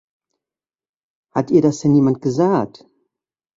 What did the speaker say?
Hat ihr das denn jemand gesagt?